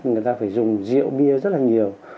người ta phải dùng rượu bia rất là nhiều